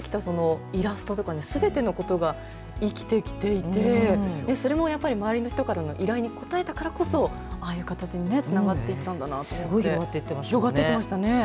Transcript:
さらにこれまでやってきたイラストとかすべてのことが生きてきていて、それもやっぱり周りの人からの依頼に応えたからこそ、ああいう形につながっていったんだなと思って。